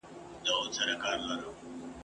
نازولي د خالق یو موږ غوثان یو ..